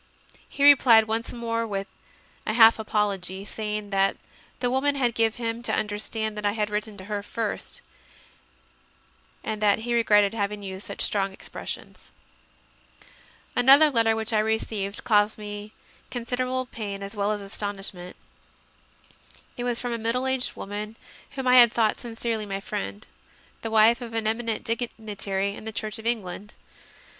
He replied once more with a half apology, saying that the woman had given him to under stand that I had written to her first, and that he regretted having used such strong expressions. Another letter which I received caused me con i 3 8 CONFESSIONS OF A CONVERT siderable pain as well as astonishment. It was from a middle aged woman whom I had thought sincerely my friend the wife of an eminent digni tary in the Church of England.